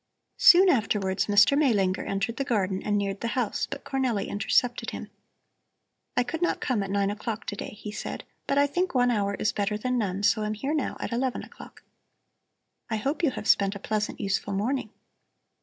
Soon afterwards Mr. Maelinger entered the garden and neared the house, but Cornelli intercepted him. "I could not come at 9 o'clock to day," he said, "but I think one hour is better than none, so am here now, at 11 o'clock. I hope you have spent a pleasant, useful morning."